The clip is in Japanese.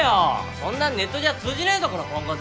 そんなんネットじゃ通じねぇぞこのぽんこつ。